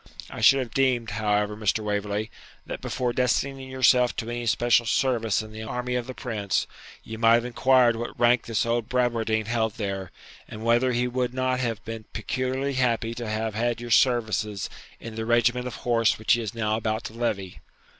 I should have deemed, however, Mr. Waverley, that before destining yourself to any special service in the army of the Prince, ye might have inquired what rank the old Bradwardine held there, and whether he would not have been peculiarly happy to have had your services in the regiment of horse which he is now about to levy.'